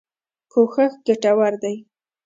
کوښښ ګټور دی.